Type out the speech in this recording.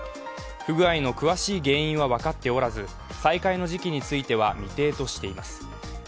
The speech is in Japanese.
不具合の詳しい原因は分かっておらず、再開の時期については未定としています。